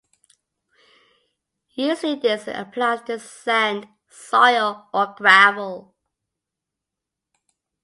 Usually this applies to sand, soil, or gravel.